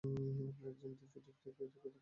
আপনারা একজনও দিক ঠিক রেখে এগুতে পারবেন না।